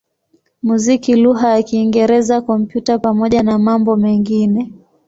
muziki lugha ya Kiingereza, Kompyuta pamoja na mambo mengine.